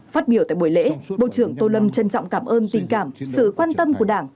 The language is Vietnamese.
phát biểu tại buổi lễ bộ trưởng tô lâm trân trọng cảm ơn tình cảm sự quan tâm của đảng